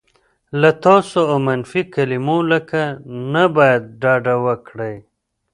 له "تاسو" او منفي کلیمو لکه "نه باید" ډډه وکړئ.